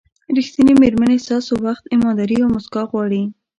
ریښتینې مېرمنې ستاسو وخت، ایمانداري او موسکا غواړي.